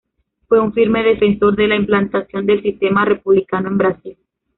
Fue un firme defensor de la implantación del sistema republicano en Brasil.